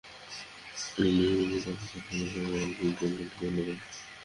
আবার নিজের চাবি দিয়ে হাতল খোলার সময় মালিক যন্ত্রটি বন্ধ রাখবেন।